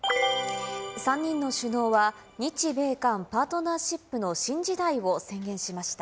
３人の首脳は、日米韓パートナーシップの新時代を宣言しました。